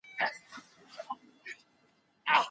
د دغي غونډې هدف د ټکنالوژۍ او ژبو پیوستون و.